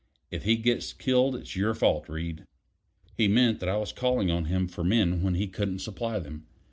If he gets killed, it's your fault, Reed." He meant that I was calling on him for men when he couldn't supply them.